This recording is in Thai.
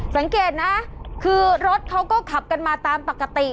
สังเกตนะคือรถเขาก็ขับกันมาตามปกติ